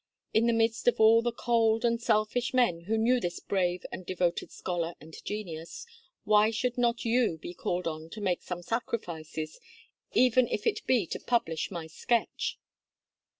In the midst of all the cold and selfish men who knew this brave and devoted scholar and genius, why should not you be called on to make some sacrifices, even if it be to publish my sketch?"